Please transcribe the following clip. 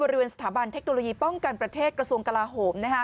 สถาบันเทคโนโลยีป้องกันประเทศกระทรวงกลาโหม